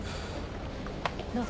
どうぞ。